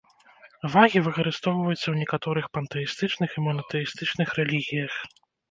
Вагі выкарыстоўваюцца ў некаторых пантэістычных і монатэістычных рэлігіях.